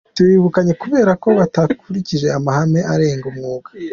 "Tubirukanye kubera ko batakurikije amahame agenga umwuga.